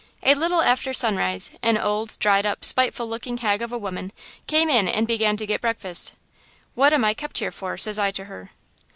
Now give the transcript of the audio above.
"A little after sunrise an old, dried up spiteful looking hag of a woman came in and began to get breakfast. "'What am I kept here for?' says I to her.